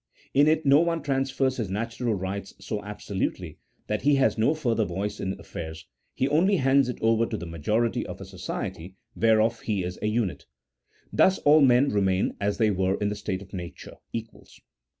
In it no one transfers his natural right so absolutely that he has no further voice in affairs, he only hands it over to the majority of a society, whereof he is a unit. Thus all men remain, as they were in the state of nature, equals.